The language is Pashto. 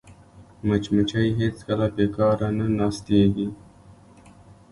مچمچۍ هېڅکله بیکاره نه ناستېږي